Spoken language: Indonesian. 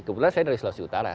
kebetulan saya dari sulawesi utara